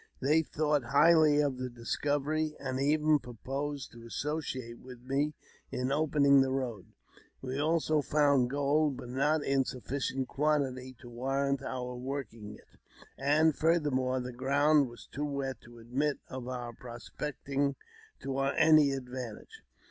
They thought highly of the discovery, and even proposed to associate with me in opening the road. We also found gold, but not in sufficient quantity to warrant our working it ; and, furthermore, the ground was too wet to admit of our pro specting to any advantage.